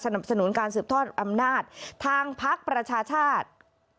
นุสนุนการสืบทอดอำนาจทางพักประชาชาติ